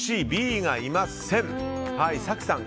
Ｂがいません。